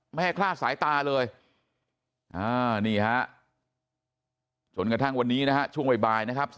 ไม่ให้คลาดสายตาเลยนี่ฮะจนกระทั่งวันนี้นะฮะช่วงบ่ายนะครับ